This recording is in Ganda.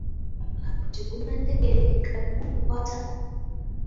Omulambo tegunnategeerekeka bigukwatako.